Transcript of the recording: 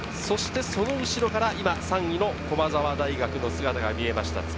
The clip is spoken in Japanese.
そして、その後ろから今３位の駒澤大学の姿が見えました。